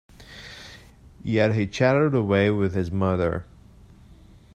Yet he chattered away with his mother.